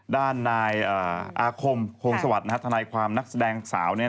ด้านนายอาคมโฮงสวัสดิ์ทนายความนักแสดงสาว